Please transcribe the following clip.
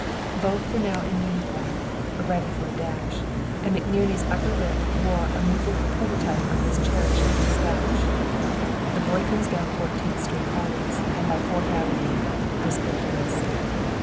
Both were now in uniform, ready for a dash, and McNerney's upper lip wore a movable prototype of his cherished mustache. "The boy comes down Fourteenth Street always and by Fourth Avenue," whispered Dennis.